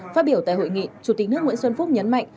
phát biểu tại hội nghị chủ tịch nước nguyễn xuân phúc nhấn mạnh